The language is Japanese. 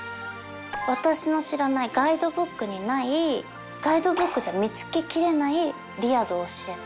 私の知らないガイドブックにないガイドブックじゃ見つけきれないリヤドを知れた。